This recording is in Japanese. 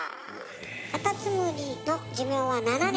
カタツムリの寿命は７年。